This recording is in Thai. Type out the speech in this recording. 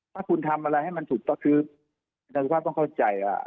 ถ้าคุณทำอะไรให้มันถูกก็คือแสดงว่าต้องเข้าใจว่า